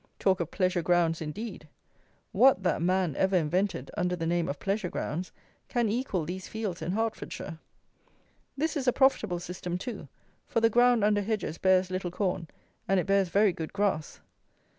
Talk of pleasure grounds indeed! What, that man ever invented, under the name of pleasure grounds, can equal these fields in Hertfordshire? This is a profitable system too; for the ground under hedges bears little corn, and it bears very good grass.